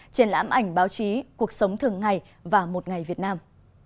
triển lãm ảnh báo chí cuộc sống thường ngày và một ngày việt nam